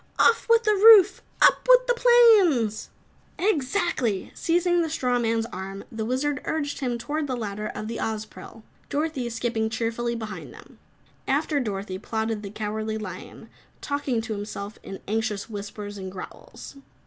"Off with the roof! Up with the planes!" "Exactly!" Seizing the Straw Man's arm, the Wizard urged him toward the ladder of the Ozpril, Dorothy skipping cheerfully behind them. After Dorothy plodded the Cowardly Lion, talking to himself in anxious whispers and growls.